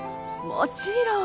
もちろん。